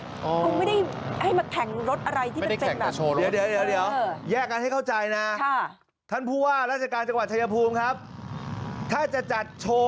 คงไม่ได้ให้มาแข่งรถอะไรที่มันเป็นแบบนี้